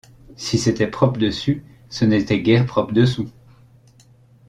Si c’était propre dessus, ce n’était guère propre dessous.